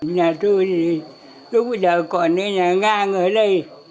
nhà tôi thì lúc bây giờ còn cái nhà ngang ở đây